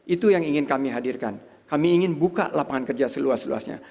itu yang ingin kami hadirkan kami ingin buka lapangan kerja seluas luasnya